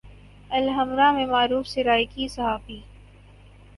الحمرا میں معروف سرائیکی صحافی